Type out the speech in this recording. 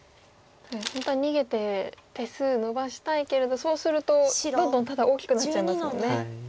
本当は逃げて手数のばしたいけれどそうするとどんどんただ大きくなっちゃいますもんね。